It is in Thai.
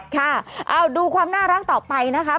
ค่ะเอาดูความน่ารักต่อไปนะคะ